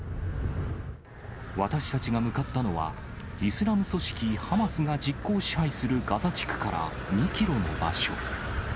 私たちが向かったのは、イスラム組織ハマスが実効支配するガザ地区から２キロの場所。